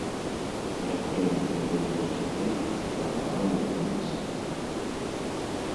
Раптоўны выбух трывогі пагнаў яго назад.